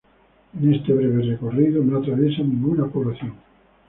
En este breve recorrido, no atraviesa ninguna población.